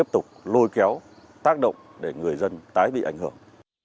tiếp tục lôi kéo tác động để người dân tái bị ảnh hưởng